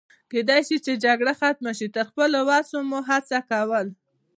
کېدای شي چې جګړه ختمه شي، تر خپلې وسې مو هڅه کول.